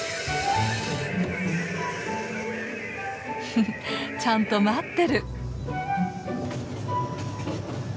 フフちゃんと待ってる。